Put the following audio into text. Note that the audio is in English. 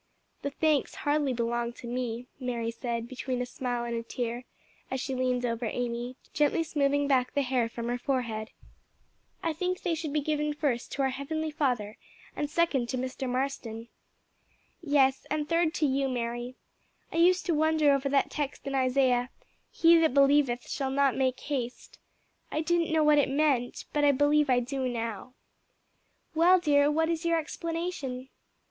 "The thanks hardly belong to me," Mary said, between a smile and a tear, as she leaned over Amy, gently smoothing back the hair from her forehead. "I think they should be given first to our heavenly Father, and second to Mr. Marston." "Yes, and third to you, Mary. I used to wonder over that text in Isaiah 'He that believeth shall not make haste.' I didn't know what it meant, but I believe I do now." "Well, dear, what is your explanation?"